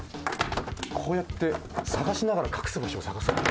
こうやって探しながら隠す場所を探す。